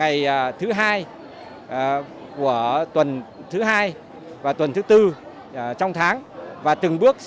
thời gian từ tám h đến một mươi sáu h thứ hai của tuần thứ hai và tuần thứ bốn hàng tháng đây là chủ trương của ban